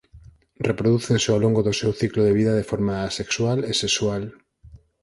Reprodúcense ao longo do seu ciclo de vida de forma asexual e sexual.